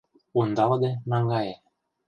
Ондалыде наҥгае;